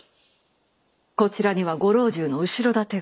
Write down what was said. こちらにはご老中の後ろ盾がある。